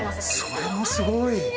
それはすごい。